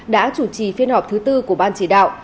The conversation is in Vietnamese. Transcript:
đã chủ trì phiên họp thứ tư của ban chỉ đạo